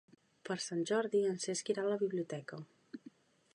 Per Sant Jordi en Cesc irà a la biblioteca.